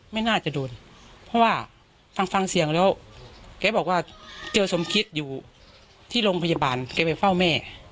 ไม่น่าจะโดนเพราะว่าฟังกันเจอสมฆิตที่โรงพยาบาลให้ไปเฝ้าแม่